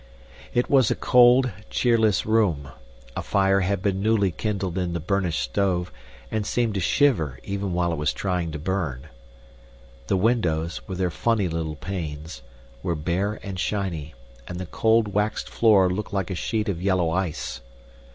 It was a cold, cheerless room; a fire had been newly kindled in the burnished stove and seemed to shiver even while it was trying to burn. The windows, with their funny little panes, were bare and shiny, and the cold waxed floor looked like a sheet of yellow ice.